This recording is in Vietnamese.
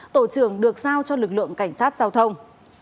tổ trưởng được giao cho lực lượng cảnh sát giao thông